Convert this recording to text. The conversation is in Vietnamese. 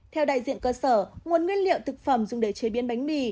theo đại diện cơ sở nguồn nguyên liệu thực phẩm dùng để chế biến bánh mì